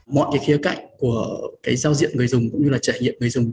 mọi khía cạnh của giao diện người dùng cũng như trải nghiệm người dùng